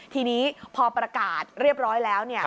ทีนี้พอประกาศเรียบร้อยแล้วเนี่ย